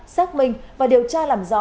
xác minh và điều tra làm rõ